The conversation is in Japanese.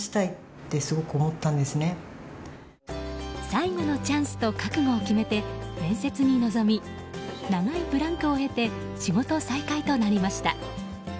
最後のチャンスと覚悟を決めて面接に臨み、長いブランクを経て仕事再開となりました。